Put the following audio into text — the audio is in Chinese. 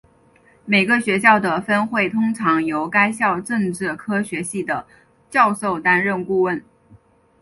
每个学校的分会通常由该校政治科学系的教授担任顾问。